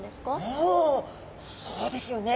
おおそうですよね。